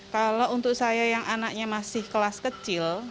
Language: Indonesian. kalau untuk saya yang anaknya masih kelas kecil